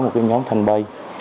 một nhóm thanh bay